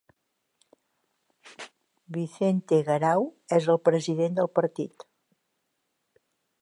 Vicente Garau és el president del partit.